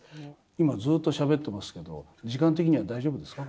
今ずっとしゃべってますけど時間的には大丈夫ですか？